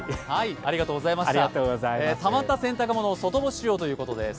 たまった洗濯物を外干ししようということです。